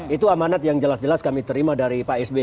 itu amanat yang jelas jelas kami terima dari pak sby